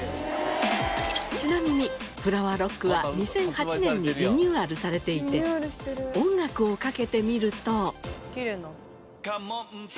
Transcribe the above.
ちなみにフラワーロックは２００８年にリニューアルされていて音楽をかけてみると。